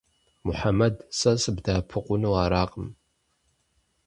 Мухьэмэд, сэ сыбдэмыӀэпыкъуну аракъым.